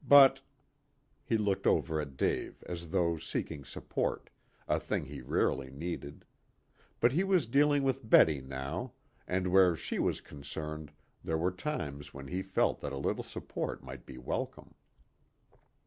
But " he looked over at Dave as though seeking support, a thing he rarely needed. But he was dealing with Betty now, and where she was concerned, there were times when he felt that a little support might be welcome.